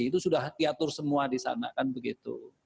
itu sudah diatur semua di sana kan begitu